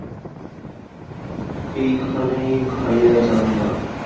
এইখানেই খাইয়া যান-না।